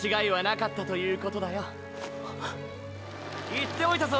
言っておいたぞ